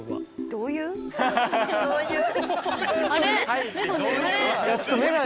どういう？